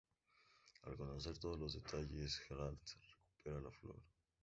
Al conocer todos los detalles, Geralt recupera la flor.